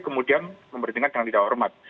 kemudian memberi tingkat dengan tidak hormat